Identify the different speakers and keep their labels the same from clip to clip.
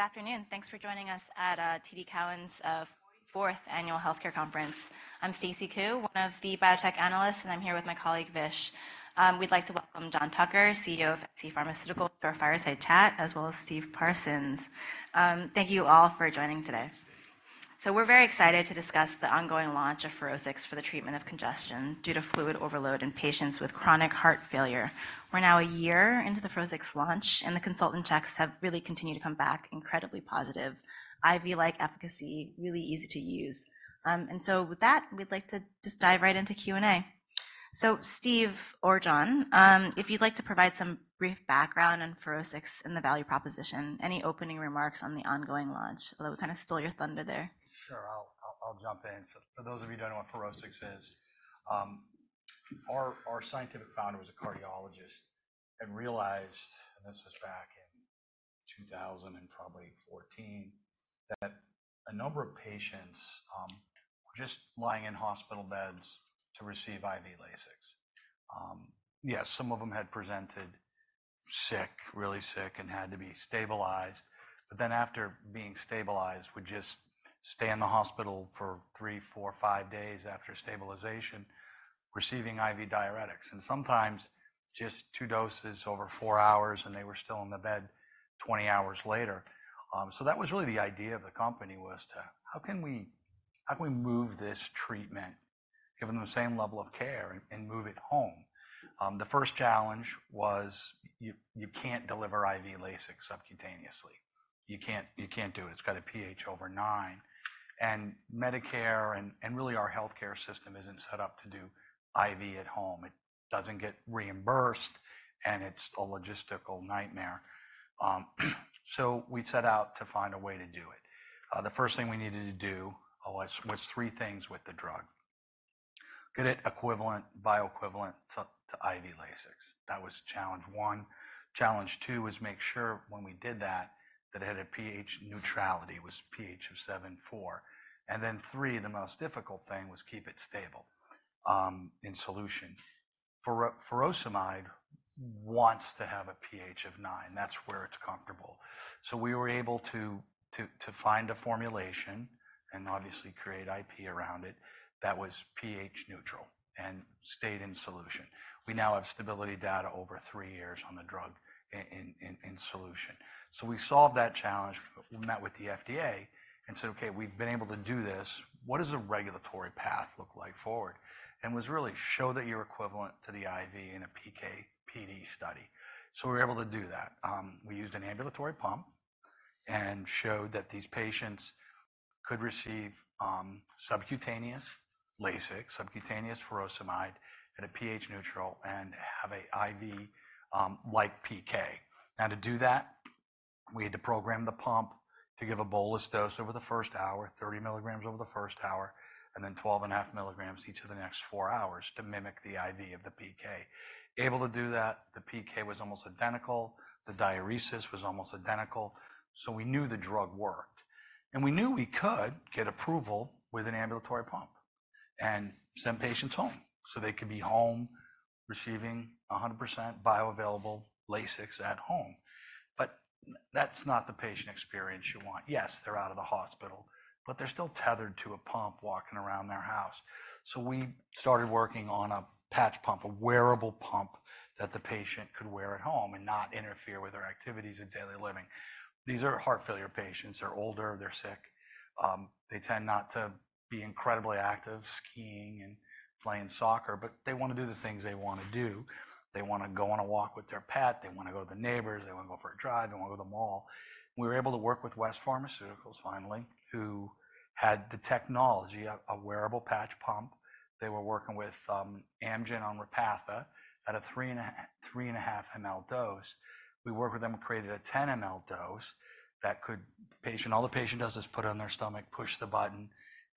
Speaker 1: Good afternoon. Thanks for joining us at TD Cowen’s fourth Annual Healthcare Conference. I'm Stacy Ku, one of the biotech analysts, and I'm here with my colleague, Vish. We'd like to welcome John Tucker, CEO of scPharmaceuticals, to our fireside chat, as well as Steve Parsons. Thank you all for joining today. We're very excited to discuss the ongoing launch of FUROSCIX for the treatment of congestion due to fluid overload in patients with chronic heart failure. We're now a year into the FUROSCIX launch, and the consultant checks have really continued to come back incredibly positive. IV-like efficacy, really easy to use. With that, we'd like to just dive right into Q&A. So Steve or John, if you'd like to provide some brief background on FUROSCIX and the value proposition, any opening remarks on the ongoing launch, although we kind of stole your thunder there.
Speaker 2: Sure, I'll jump in. For those of you who don't know what FUROSCIX is, our scientific founder was a cardiologist and realized, and this was back in 2000 and probably 2014, that a number of patients were just lying in hospital beds to receive IV Lasix. Yes, some of them had presented sick, really sick, and had to be stabilized, but then after being stabilized, would just stay in the hospital for three, four, five days after stabilization, receiving IV diuretics, and sometimes just two doses over four hours, and they were still in the bed 20 hours later. So that was really the idea of the company, was to—how can we, how can we move this treatment, give them the same level of care and move it home? The first challenge was you can't deliver IV Lasix subcutaneously. You can't, you can't do it. It's got a pH over , and really, our healthcare system isn't set up to do IV at home. It doesn't get reimbursed, and it's a logistical nightmare. So we set out to find a way to do it. The first thing we needed to do was three things with the drug: get it equivalent, bioequivalent to IV Lasix. That was challenge one. Challenge two was make sure when we did that, that it had a pH neutrality, was a pH of 7.4. And then three, the most difficult thing, was keep it stable in solution. Furosemide wants to have a pH of nine. That's where it's comfortable. So we were able to find a formulation, and obviously create IP around it, that was pH neutral and stayed in solution. We now have stability data over three years on the drug in solution. So we solved that challenge. We met with the FDA and said, "Okay, we've been able to do this. What does a regulatory path look like forward?" And was really, show that you're equivalent to the IV in a PK/PD study. So we were able to do that. We used an ambulatory pump and showed that these patients could receive subcutaneous Lasix, subcutaneous furosemide, at a pH neutral and have a IV like PK. Now, to do that, we had to program the pump to give a bolus dose over the first hour, 30 milligrams over the first hour, and then 12.5 milligrams each of the next fours hours to mimic the IV of the PK. Able to do that, the PK was almost identical, the diuresis was almost identical, so we knew the drug worked. And we knew we could get approval with an ambulatory pump and send patients home, so they could be home, receiving 100% bioavailable Lasix at home. But that's not the patient experience you want. Yes, they're out of the hospital, but they're still tethered to a pump walking around their house. So we started working on a patch pump, a wearable pump that the patient could wear at home and not interfere with their activities and daily living. These are heart failure patients. They're older, they're sick. They tend not to be incredibly active, skiing and playing soccer, but they wanna do the things they wanna do. They wanna go on a walk with their pet, they wanna go to the neighbors, they wanna go for a drive, they wanna go to the mall. We were able to work with West Pharmaceutical Services, finally, who had the technology, a wearable patch pump. They were working with Amgen on Repatha at a three and half ml dose. We worked with them and created a 10 ml dose that could... The patient—all the patient does is put it on their stomach, push the button,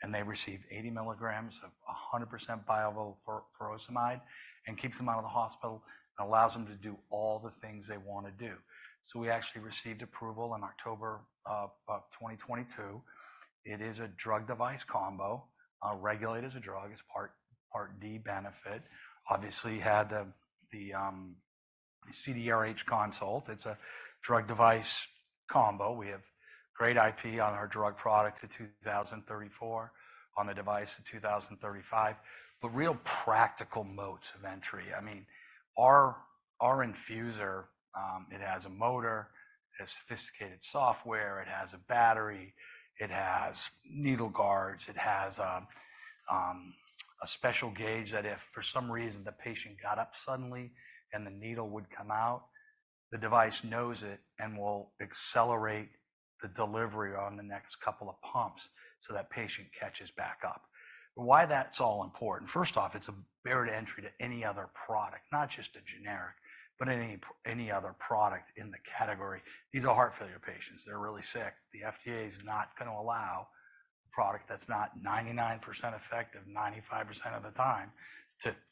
Speaker 2: and they receive 80 milligrams of 100% bioavailable furosemide, and keeps them out of the hospital, and allows them to do all the things they wanna do. So we actually received approval in October of 2022. It is a drug device combo, regulated as a drug. It's Part D benefit. Obviously, had the CDRH consult. It's a drug device combo. We have great IP on our drug product to 2034, on the device to 2035. But real practical moats of entry, I mean, our infuser, it has a motor, it has sophisticated software, it has a battery, it has needle guards, it has a special gauge that if for some reason the patient got up suddenly and the needle would come out, the device knows it and will accelerate the delivery on the next couple of pumps so that patient catches back up. Why that's all important? First off, it's a barrier to entry to any other product, not just a generic, but any other product in the category. These are heart failure patients. They're really sick. The FDA is not gonna allow a product that's not 99% effective 95% of the time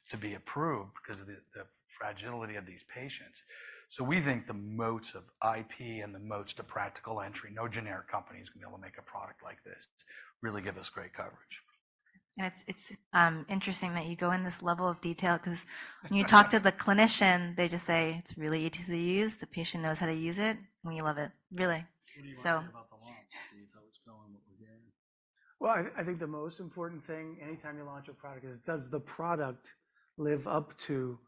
Speaker 2: to be approved because of the fragility of these patients. So we think the moats of IP and the moats to practical entry, no generic company is gonna be able to make a product like this. Really give us great coverage....
Speaker 1: And it's interesting that you go in this level of detail, 'cause when you talk to the clinician, they just say, "It's really easy to use. The patient knows how to use it, and we love it." Really, so-
Speaker 2: What do you like about the launch, Steve? How it's going, what we're getting.
Speaker 3: Well, I, I think the most important thing, anytime you launch a product, is does the product live up to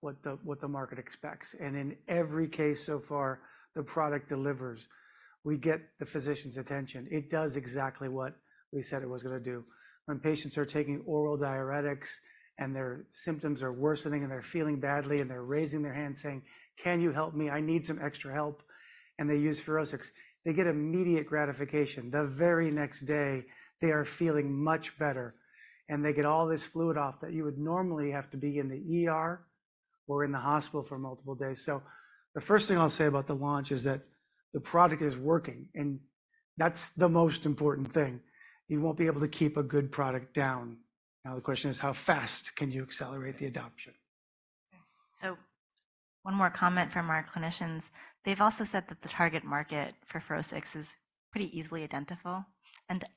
Speaker 3: what the, what the market expects? In every case so far, the product delivers. We get the physician's attention. It does exactly what we said it was gonna do. When patients are taking oral diuretics, and their symptoms are worsening, and they're feeling badly, and they're raising their hand saying: "Can you help me? I need some extra help," and they use FUROSCIX, they get immediate gratification. The very next day, they are feeling much better, and they get all this fluid off that you would normally have to be in the ER or in the hospital for multiple days. The first thing I'll say about the launch is that the product is working, and that's the most important thing. You won't be able to keep a good product down. Now, the question is: how fast can you accelerate the adoption?
Speaker 1: So one more comment from our clinicians. They've also said that the target market for FUROSCIX is pretty easily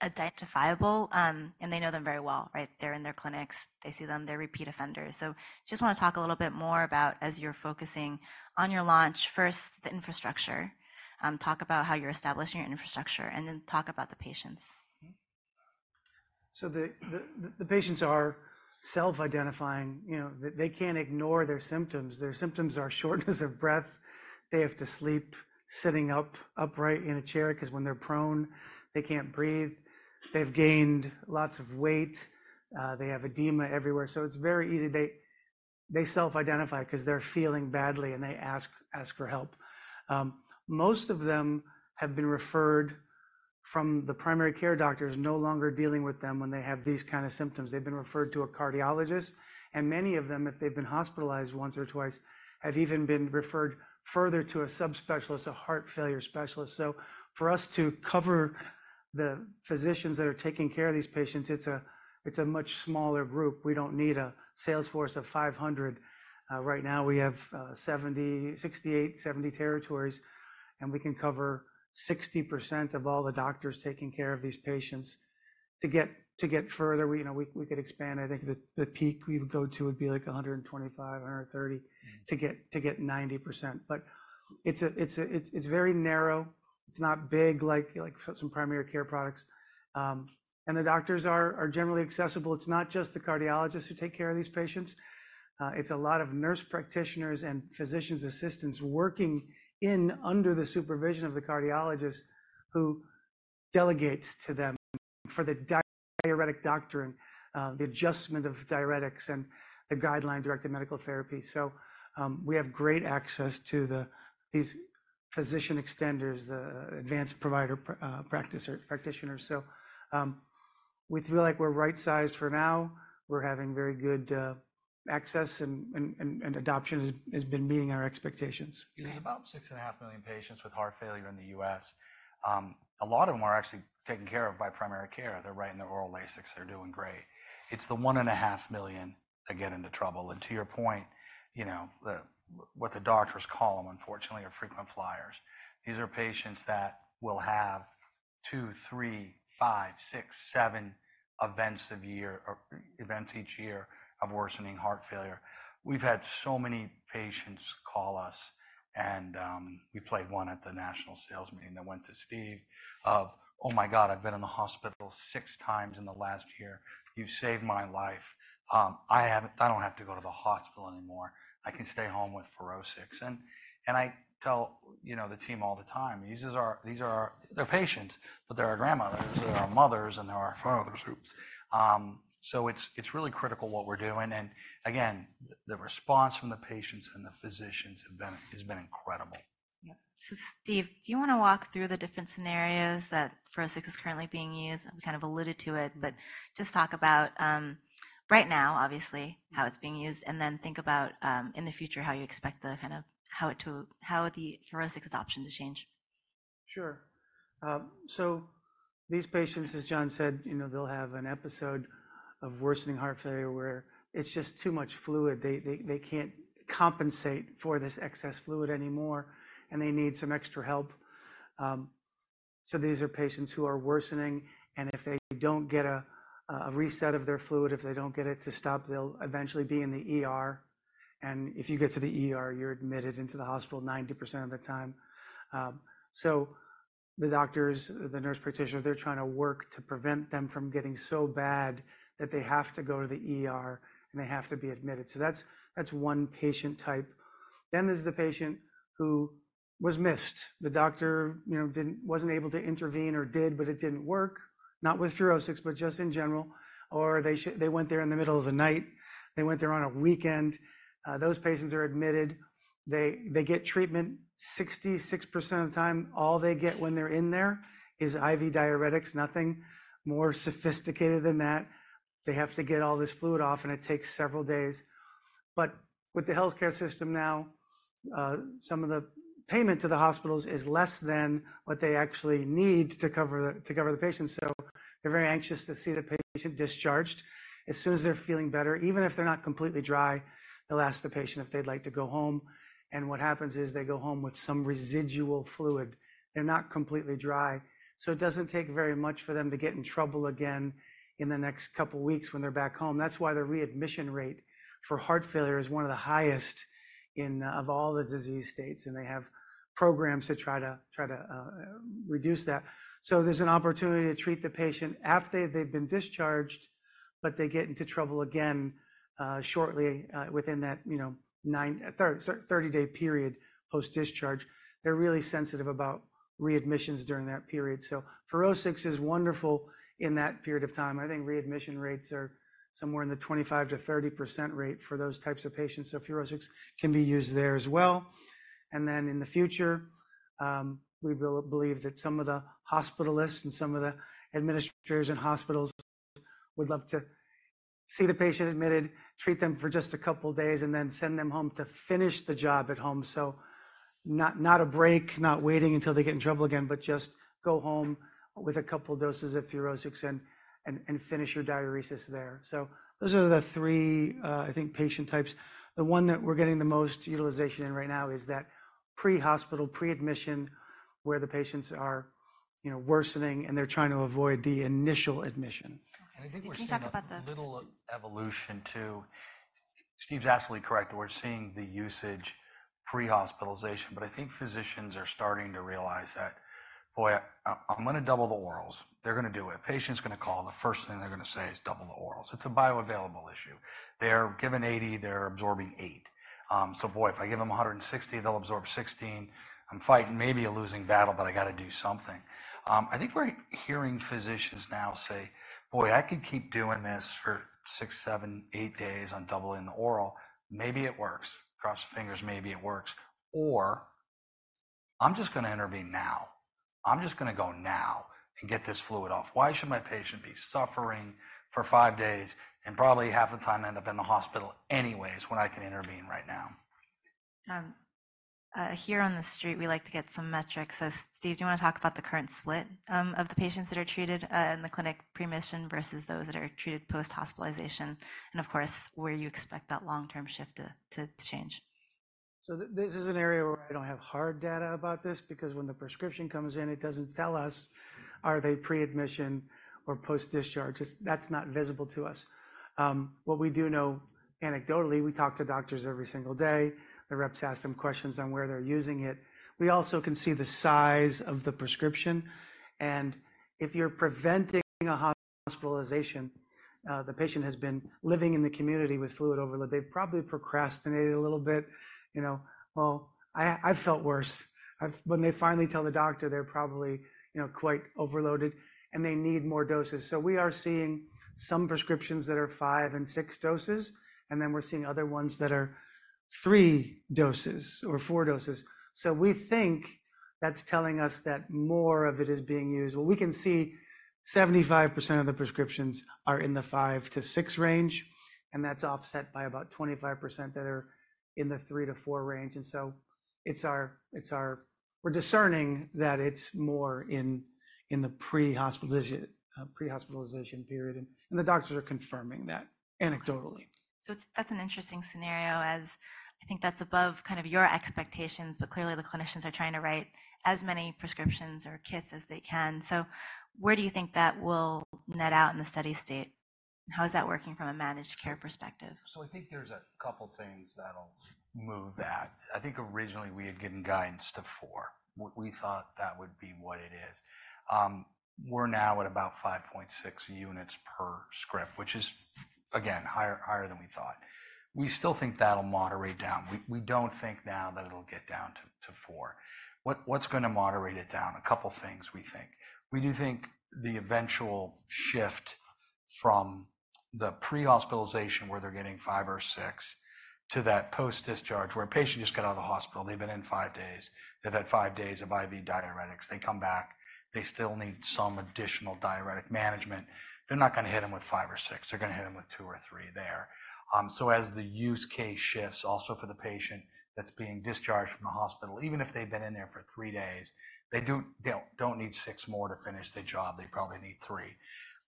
Speaker 1: identifiable, and they know them very well, right? They're in their clinics, they see them, they're repeat offenders. So just want to talk a little bit more about, as you're focusing on your launch, first, the infrastructure. Talk about how you're establishing your infrastructure, and then talk about the patients.
Speaker 3: So the patients are self-identifying. You know, they can't ignore their symptoms. Their symptoms are shortness of breath, they have to sleep sitting up, upright in a chair, 'cause when they're prone, they can't breathe. They've gained lots of weight, they have edema everywhere, so it's very easy. They self-identify 'cause they're feeling badly, and they ask for help. Most of them have been referred from the primary care doctors no longer dealing with them when they have these kind of symptoms. They've been referred to a cardiologist, and many of them, if they've been hospitalized once or twice, have even been referred further to a subspecialist, a heart failure specialist. So for us to cover the physicians that are taking care of these patients, it's a much smaller group. We don't need a sales force of five00. Right now, we have six8-70 territories, and we can cover six0% of all the doctors taking care of these patients. To get further, you know, we could expand. I think the peak we would go to would be, like, 12five-130 to get 90%. But it's very narrow. It's not big, like some primary care products. And the doctors are generally accessible. It's not just the cardiologists who take care of these patients. It's a lot of nurse practitioners and physician assistants working under the supervision of the cardiologist, who delegates to them for the diuretic dosing, the adjustment of diuretics and the guideline-directed medical therapy. So, we have great access to these physician extenders, advanced practice providers. So, we feel like we're right-sized for now. We're having very good access, and adoption has been meeting our expectations.
Speaker 2: There's about six.five million patients with heart failure in the U.S. A lot of them are actually taken care of by primary care. They're right in the oral Lasix. They're doing great. It's the 1.five million that get into trouble, and to your point, you know, the, what the doctors call them, unfortunately, are frequent flyers. These are patients that will have two, three, five, six, seven events of year or events each year of worsening heart failure. We've had so many patients call us, and we played one at the national sales meeting that went to Steve of, "Oh, my God, I've been in the hospital six times in the last year. You've saved my life. I haven't. I don't have to go to the hospital anymore. I can stay home with FUROSCIX." And I tell, you know, the team all the time, these are our-- they're patients, but they're our grandmothers, they're our mothers, and they're our fathers. So it's really critical what we're doing, and again, the response from the patients and the physicians has been incredible.
Speaker 1: Yeah. So, Steve, do you wanna walk through the different scenarios that FUROSCIX is currently being used? We kind of alluded to it, but just talk about, right now, obviously, how it's being used, and then think about, in the future, how you expect the kind of FUROSCIX adoption to change.
Speaker 3: Sure. So these patients, as John said, you know, they'll have an episode of worsening heart failure where it's just too much fluid. They can't compensate for this excess fluid anymore, and they need some extra help. So these are patients who are worsening, and if they don't get a reset of their fluid, if they don't get it to stop, they'll eventually be in the ER, and if you get to the ER, you're admitted into the hospital 90% of the time. So the doctors, the nurse practitioners, they're trying to work to prevent them from getting so bad that they have to go to the ER, and they have to be admitted. So that's one patient type. Then there's the patient who was missed. The doctor, you know, didn't—wasn't able to intervene or did, but it didn't work, not with FUROSCIX, but just in general, or they went there in the middle of the night. They went there on a weekend. Those patients are admitted. They, they get treatment six6% of the time. All they get when they're in there is IV diuretics, nothing more sophisticated than that. They have to get all this fluid off, and it takes several days. But with the healthcare system now, some of the payment to the hospitals is less than what they actually need to cover the, to cover the patients, so they're very anxious to see the patient discharged.... As soon as they're feeling better, even if they're not completely dry, they'll ask the patient if they'd like to go home, and what happens is they go home with some residual fluid. They're not completely dry, so it doesn't take very much for them to get in trouble again in the next couple of weeks when they're back home. That's why the readmission rate for heart failure is one of the highest in, of all the disease states, and they have programs to try to reduce that. So there's an opportunity to treat the patient after they've been discharged, but they get into trouble again shortly within that, you know, 30-day period post-discharge. They're really sensitive about readmissions during that period. So FUROSCIX is wonderful in that period of time. I think readmission rates are somewhere in the 2five%-30% rate for those types of patients, so FUROSCIX can be used there as well. And then in the future, we believe that some of the hospitalists and some of the administrators in hospitals would love to see the patient admitted, treat them for just a couple of days, and then send them home to finish the job at home. So not, not a break, not waiting until they get in trouble again, but just go home with a couple of doses of FUROSCIX and finish your diuresis there. So those are the three, I think, patient types. The one that we're getting the most utilization in right now is that pre-hospital, pre-admission, where the patients are, you know, worsening, and they're trying to avoid the initial admission.
Speaker 2: And I think we're seeing-
Speaker 1: Steve, can you talk about the-
Speaker 2: a little evolution, too. Steve's absolutely correct. We're seeing the usage pre-hospitalization, but I think physicians are starting to realize that, "Boy, I'm gonna double the orals." They're gonna do it. A patient's gonna call, and the first thing they're gonna say is, "Double the orals." It's a bioavailable issue. They're given 80, they're absorbing eight. so boy, if I give them 1six0, they'll absorb 1six. I'm fighting maybe a losing battle, but I got to do something. I think we're hearing physicians now say, "Boy, I could keep doing this for six, seven, eight days on doubling the oral. Maybe it works. Cross your fingers, maybe it works, or I'm just gonna intervene now. I'm just gonna go now and get this fluid off. Why should my patient be suffering for five days, and probably half the time end up in the hospital anyways, when I can intervene right now?
Speaker 1: Here on the street, we like to get some metrics. So, Steve, do you want to talk about the current split of the patients that are treated in the clinic pre-admission versus those that are treated post-hospitalization, and of course, where you expect that long-term shift to change?
Speaker 3: So this is an area where I don't have hard data about this because when the prescription comes in, it doesn't tell us, are they pre-admission or post-discharge? Just, that's not visible to us. What we do know anecdotally, we talk to doctors every single day. The reps ask them questions on where they're using it. We also can see the size of the prescription, and if you're preventing a hospitalization, the patient has been living in the community with fluid overload. They've probably procrastinated a little bit, you know, "Well, I, I've felt worse." When they finally tell the doctor, they're probably, you know, quite overloaded, and they need more doses. So we are seeing some prescriptions that are five and six doses, and then we're seeing other ones that are three doses or four doses. So we think that's telling us that more of it is being used. Well, we can see 7five% of the prescriptions are in the five-six range, and that's offset by about 2five% that are in the three-four range, and so it's our-- We're discerning that it's more in the pre-hospitalization period, and the doctors are confirming that anecdotally.
Speaker 1: So it's, that's an interesting scenario, as I think that's above kind of your expectations, but clearly, the clinicians are trying to write as many prescriptions or kits as they can. So where do you think that will net out in the steady state, and how is that working from a managed care perspective?
Speaker 2: So I think there's a couple things that'll move that. I think originally we had given guidance to four. We thought that would be what it is. We're now at about five.six units per script, which is, again, higher, higher than we thought. We still think that'll moderate down. We don't think now that it'll get down to four. What's gonna moderate it down? A couple of things we think. We do think the eventual shift from the pre-hospitalization, where they're getting five or six, to that post-discharge, where a patient just got out of the hospital, they've been in five days, they've had five days of IV diuretics, they come back, they still need some additional diuretic management. They're not gonna hit them with five or six. They're gonna hit them with two or three there. So as the use case shifts, also for the patient that's being discharged from the hospital, even if they've been in there for three days, they do-- they don't need six more to finish the job, they probably need three.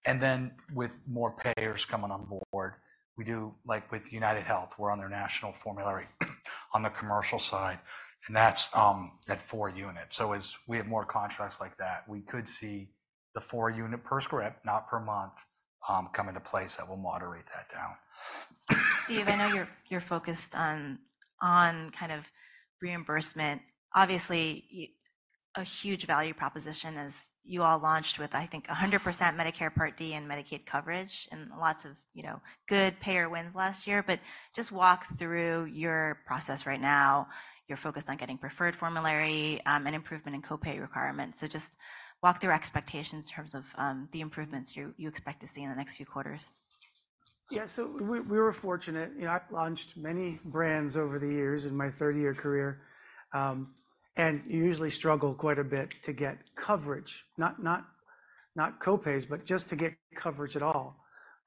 Speaker 2: And then, with more payers coming on board, we do, like with UnitedHealth, we're on their national formulary on the commercial side, and that's at four units. So as we have more contracts like that, we could see the four-unit per script, not per month, come into place that will moderate that down.
Speaker 1: Steve, I know you're focused on kind of reimbursement. Obviously, a huge value proposition as you all launched with, I think, 100% Medicare Part D and Medicaid coverage, and lots of, you know, good payer wins last year. But just walk through your process right now. You're focused on getting preferred formulary and improvement in copay requirements. So just walk through expectations in terms of the improvements you expect to see in the next few quarters.
Speaker 3: Yeah, so we were fortunate. You know, I've launched many brands over the years in my 30-year career, and you usually struggle quite a bit to get coverage. Not, not, not copays, but just to get coverage at all,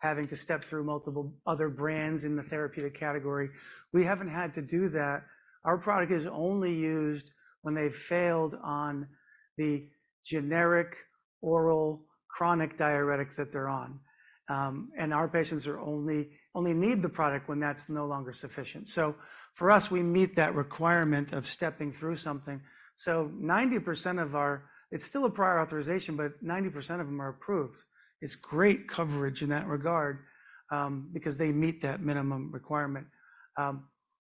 Speaker 3: having to step through multiple other brands in the therapeutic category. We haven't had to do that. Our product is only used when they've failed on the generic oral chronic diuretics that they're on. And our patients only need the product when that's no longer sufficient. So for us, we meet that requirement of stepping through something. So 90% of our—it's still a prior authorization, but 90% of them are approved. It's great coverage in that regard, because they meet that minimum requirement.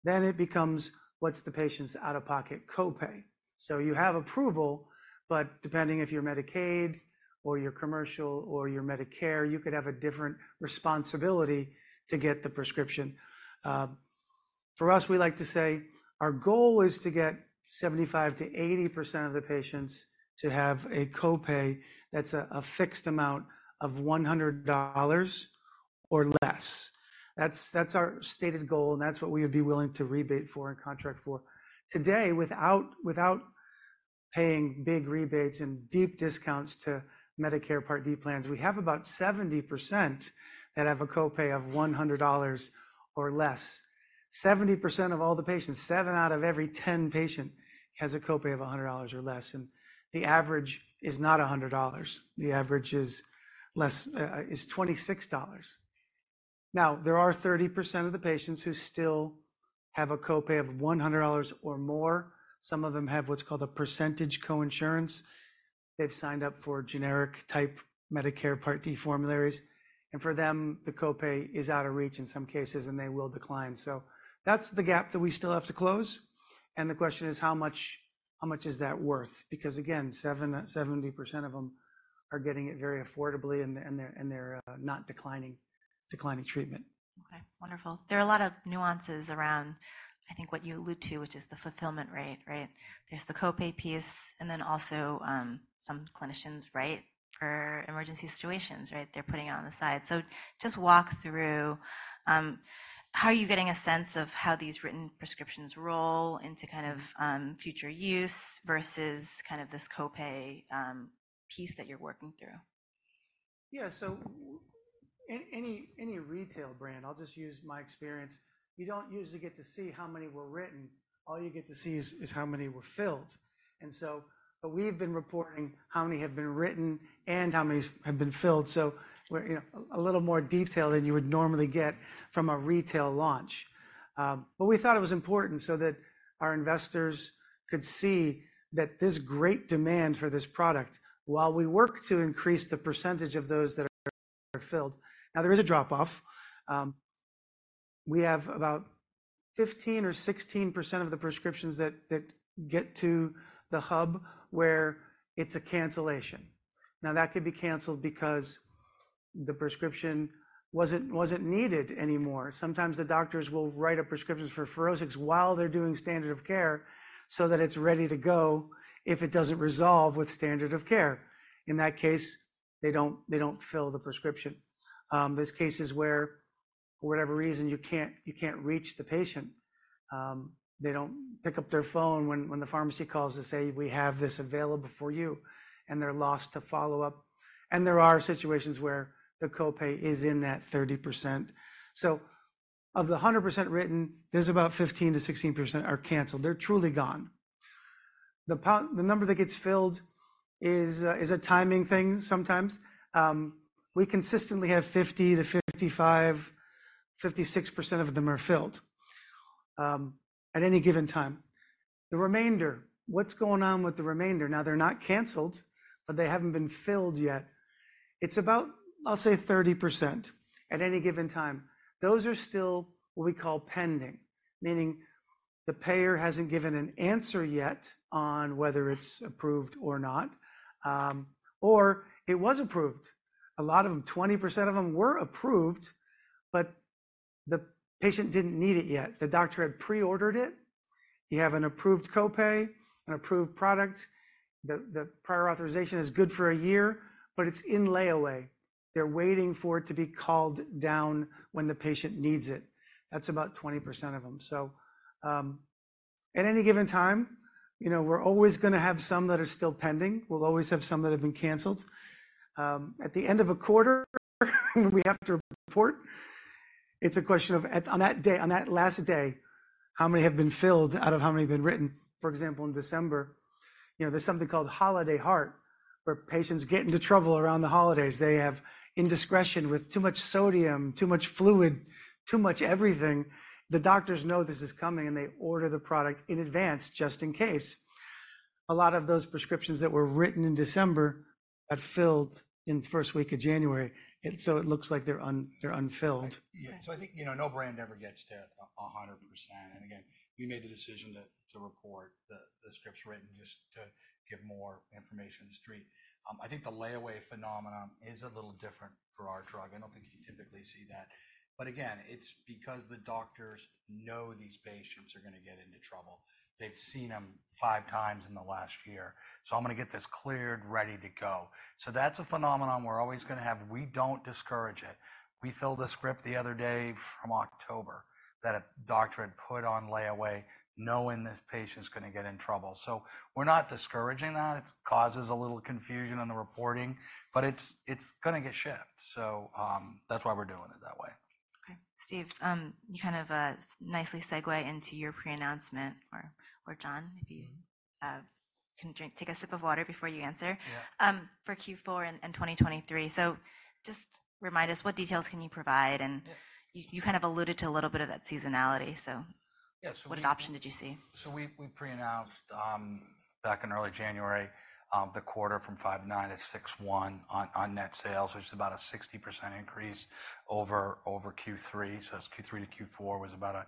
Speaker 3: Then it becomes: what's the patient's out-of-pocket copay? So you have approval, but depending if you're Medicaid or you're commercial or you're Medicare, you could have a different responsibility to get the prescription. For us, we like to say our goal is to get 75%-80% of the patients to have a copay that's a fixed amount of $100 or less. That's our stated goal, and that's what we would be willing to rebate for and contract for. Today, without paying big rebates and deep discounts to Medicare Part D plans, we have about 70% that have a copay of $100 or less. 70% of all the patients, seven out of every 10 patient, has a copay of $100 or less, and the average is not $100. The average is less, is $2six. Now, there are 30% of the patients who still have a copay of 100 or more. Some of them have what's called a percentage coinsurance. They've signed up for generic type Medicare Part D formularies, and for them, the copay is out of reach in some cases, and they will decline. So that's the gap that we still have to close, and the question is, how much, how much is that worth? Because, again, 70% of them are getting it very affordably, and they're not declining treatment.
Speaker 1: Okay, wonderful. There are a lot of nuances around, I think, what you allude to, which is the fulfillment rate, right? There's the copay piece, and then also, some clinicians write for emergency situations, right? They're putting it on the side. So just walk through, how are you getting a sense of how these written prescriptions roll into kind of, future use versus kind of this copay piece that you're working through?
Speaker 3: Yeah, so any retail brand, I'll just use my experience, you don't usually get to see how many were written. All you get to see is how many were filled, and so, but we've been reporting how many have been written and how many have been filled, so we're, you know, a little more detail than you would normally get from a retail launch. But we thought it was important so that our investors could see that there's great demand for this product while we work to increase the percentage of those that are filled. Now, there is a drop-off. We have about 1five or 1six% of the prescriptions that get to the hub, where it's a cancellation. Now, that could be canceled because the prescription wasn't needed anymore. Sometimes the doctors will write a prescription for FUROSCIX while they're doing standard of care so that it's ready to go if it doesn't resolve with standard of care. In that case, they don't, they don't fill the prescription. There's cases where, for whatever reason, you can't, you can't reach the patient. They don't pick up their phone when, when the pharmacy calls to say, "We have this available for you," and they're lost to follow-up, and there are situations where the copay is in that 30%. So of the 100% written, there's about 15%-16% are canceled. They're truly gone. The number that gets filled is a timing thing sometimes. We consistently have five0%-55%, fivesix% of them are filled at any given time. The remainder, what's going on with the remainder? Now, they're not canceled, but they haven't been filled yet. It's about, I'll say, 30% at any given time. Those are still what we call pending, meaning the payer hasn't given an answer yet on whether it's approved or not, or it was approved. A lot of them, 20% of them were approved, but the patient didn't need it yet. The doctor had pre-ordered it. You have an approved copay, an approved product. The prior authorization is good for a year, but it's in layaway. They're waiting for it to be called down when the patient needs it. That's about 20% of them. So, at any given time, you know, we're always gonna have some that are still pending. We'll always have some that have been canceled. At the end of a quarter, we have to report. It's a question of, on that day, on that last day, how many have been filled out of how many have been written? For example, in December, you know, there's something called Holiday Heart, where patients get into trouble around the holidays. They have indiscretion with too much sodium, too much fluid, too much everything. The doctors know this is coming, and they order the product in advance just in case. A lot of those prescriptions that were written in December got filled in the first week of January, and so it looks like they're unfilled.
Speaker 2: Yeah. So I think, you know, no brand ever gets to 100%, and again, we made the decision to report the scripts written just to give more information to the street. I think the layaway phenomenon is a little different for our drug. I don't think you typically see that. But again, it's because the doctors know these patients are gonna get into trouble. They've seen them five times in the last year, so I'm gonna get this cleared, ready to go. So that's a phenomenon we're always gonna have. We don't discourage it. We filled a script the other day from October that a doctor had put on layaway, knowing this patient's gonna get in trouble. So we're not discouraging that. It causes a little confusion on the reporting, but it's gonna get shipped. So that's why we're doing it that way. ...
Speaker 1: Steve, you kind of nicely segue into your pre-announcement, or John, if you can take a sip of water before you answer.
Speaker 2: Yeah.
Speaker 1: For Q4 and 2023. So just remind us, what details can you provide? And-
Speaker 2: Yeah...
Speaker 1: you kind of alluded to a little bit of that seasonality, so-
Speaker 2: Yeah, so-
Speaker 1: What adoption did you see?
Speaker 2: So we pre-announced back in early January the quarter from $59 million to $61 million on net sales, which is about a 60% increase over Q3. So that's Q3 to Q4 was about a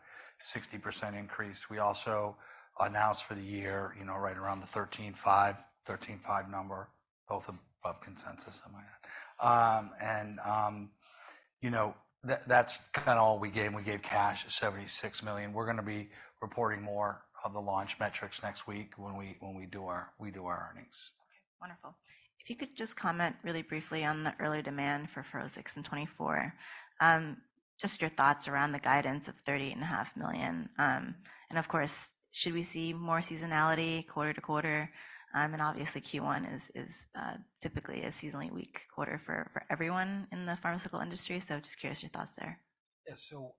Speaker 2: 60% increase. We also announced for the year, you know, right around the $13five million, $13five million number, both above consensus, something like that. And you know, that's kind of all we gave. We gave cash $76 million. We're gonna be reporting more of the launch metrics next week when we do our earnings.
Speaker 1: Okay, wonderful. If you could just comment really briefly on the early demand for FUROSCIX in 2024. Just your thoughts around the guidance of $38.5 million. And of course, should we see more seasonality quarter to quarter? And obviously, Q1 is typically a seasonally weak quarter for everyone in the pharmaceutical industry. So just curious your thoughts there.
Speaker 2: Yeah. So,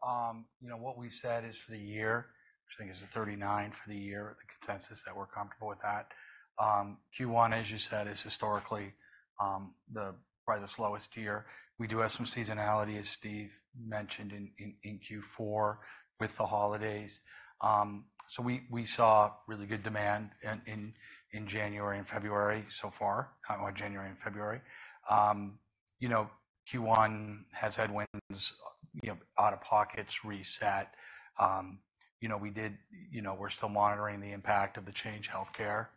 Speaker 2: you know, what we've said is for the year, which I think is the $39 for the year, the consensus, that we're comfortable with that. Q1, as you said, is historically, probably the slowest year. We do have some seasonality, as Steve mentioned in Q4 with the holidays. So we saw really good demand in January and February so far, or January and February. You know, Q1 has headwinds, you know, out-of-pockets reset. You know, we did... You know, we're still monitoring the impact of the Change Healthcare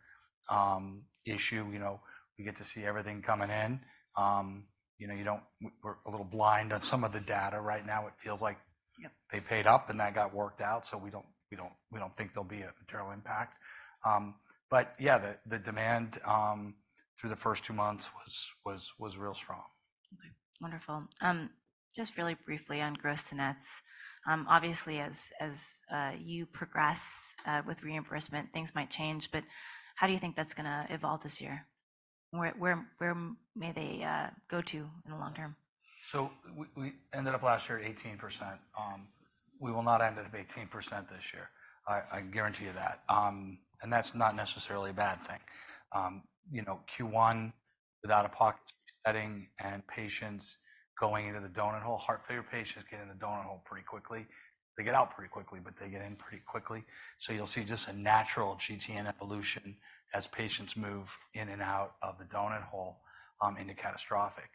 Speaker 2: issue. You know, we get to see everything coming in. You know, you don't-- we're a little blind on some of the data right now. It feels like-
Speaker 1: Yeah...
Speaker 2: they paid up, and that got worked out, so we don't think there'll be a material impact. But yeah, the demand through the first two months was real strong.
Speaker 1: Okay, wonderful. Just really briefly on gross to nets. Obviously, as you progress with reimbursement, things might change, but how do you think that's gonna evolve this year? Where may they go to in the long term?
Speaker 2: So we ended up last year at 18%. We will not end it at 18% this year. I guarantee you that. And that's not necessarily a bad thing. You know, Q1, without-of-pocket resetting and patients going into the donut hole, heart failure patients get in the donut hole pretty quickly. They get out pretty quickly, but they get in pretty quickly. So you'll see just a natural GTN evolution as patients move in and out of the donut hole, into catastrophic.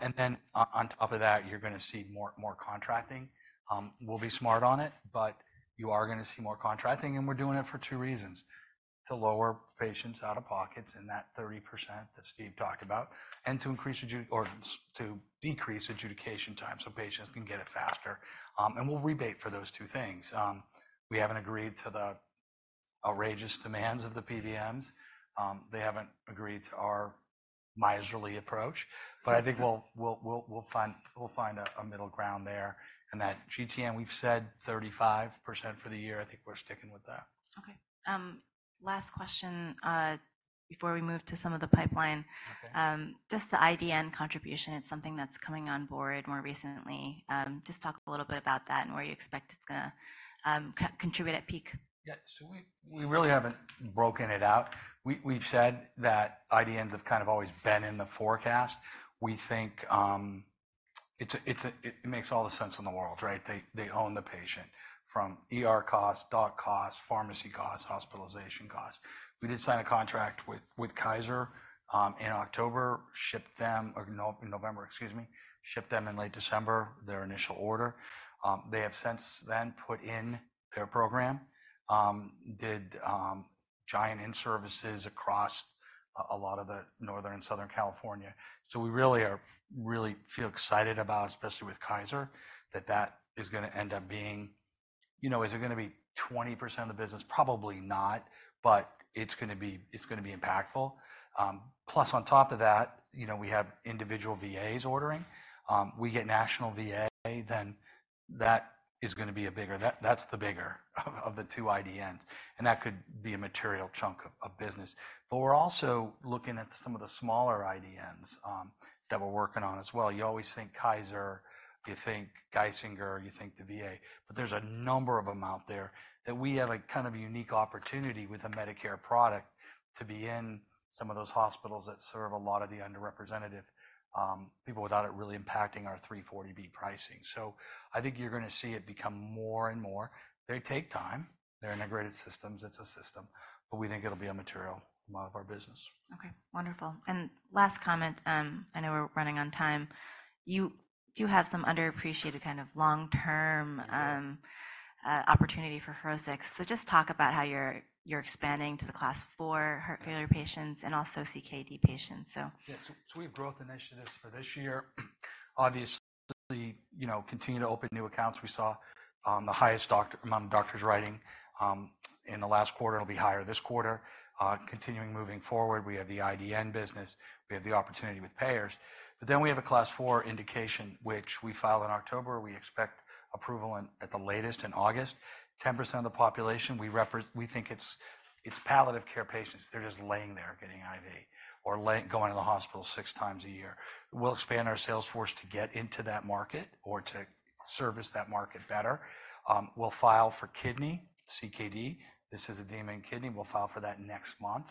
Speaker 2: And then on top of that, you're gonna see more contracting. We'll be smart on it, but you are gonna see more contracting, and we're doing it for two reasons: to lower patients out of pocket in that 30% that Steve talked about, and to increase adjudication, or to decrease adjudication time, so patients can get it faster. And we'll rebate for those two things. We haven't agreed to the outrageous demands of the PBMs. They haven't agreed to our miserly approach, but I think we'll find a middle ground there. That GTN, we've said 3five% for the year. I think we're sticking with that.
Speaker 1: Okay. Last question, before we move to some of the pipeline. Okay. Just the IDN contribution, it's something that's coming on board more recently. Just talk a little bit about that and where you expect it's gonna contribute at peak.
Speaker 2: Yeah, so we really haven't broken it out. We've said that IDNs have kind of always been in the forecast. We think it's a- it makes all the sense in the world, right? They own the patient from ER costs, doc costs, pharmacy costs, hospitalization costs. We did sign a contract with Kaiser in October, shipped them... or no, in November, excuse me, shipped them in late December their initial order. They have since then put in their program, did giant in-services across a lot of the Northern and Southern California. So we really are, really feel excited about, especially with Kaiser, that that is gonna end up being... You know, is it gonna be 20% of the business? Probably not, but it's gonna be impactful. Plus, on top of that, you know, we have individual VAs ordering. We get national VA, then that is gonna be a bigger—that, that's the bigger of the two IDNs, and that could be a material chunk of, of business. But we're also looking at some of the smaller IDNs, that we're working on as well. You always think Kaiser, you think Geisinger, you think the VA, but there's a number of them out there that we have a kind of unique opportunity with a Medicare product to be in some of those hospitals that serve a lot of the underrepresented people, without it really impacting our 340B pricing. So I think you're gonna see it become more and more. They take time, they're integrated systems. It's a system, but we think it'll be a material amount of our business.
Speaker 1: Okay, wonderful. And last comment, I know we're running on time. You do have some underappreciated kind of long-term opportunity for FUROSCIX. So just talk about how you're expanding to the Class IV heart failure patients and also CKD patients, so.
Speaker 2: Yeah, so, so we have growth initiatives for this year. Obviously, you know, continue to open new accounts. We saw the highest doctor, amount of doctors writing in the last quarter. It'll be higher this quarter. Continuing moving forward, we have the IDN business, we have the opportunity with payers, but then we have a Class IV indication, which we filed in October. We expect approval in, at the latest, in August. 10% of the population, we represe- we think it's, it's palliative care patients. They're just laying there getting IV or lay- going to the hospital six times a year. We'll expand our sales force to get into that market or to service that market better. We'll file for kidney, CKD. This is edema and kidney. We'll file for that next month.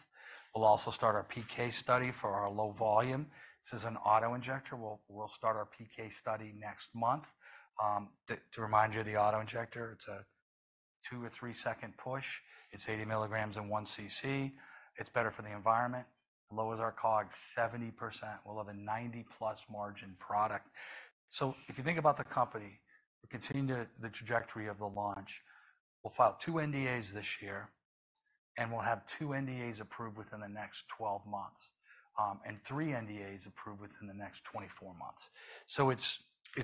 Speaker 2: We'll also start our PK study for our low volume. This is an auto-injector. We'll start our PK study next month. To remind you, the auto-injector, it's a two- or three-second push. It's 80 milligrams and one cc. It's better for the environment, lowers our COG 70%. We'll have a 90%+ margin product. So if you think about the company, we're continuing the trajectory of the launch. We'll file two NDAs this year, and we'll have two NDAs approved within the next 12 months, and three NDAs approved within the next 24 months. So it's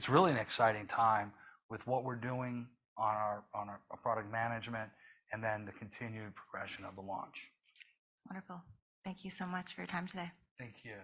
Speaker 2: really an exciting time with what we're doing on our product management and then the continued progression of the launch.
Speaker 1: Wonderful. Thank you so much for your time today.
Speaker 2: Thank you.